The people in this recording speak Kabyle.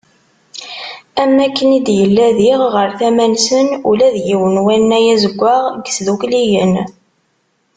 Am waken i d-yella, diɣ, ɣer tama-nsen ula d yiwen n wannay azeggaɣ n yisddukkliyen.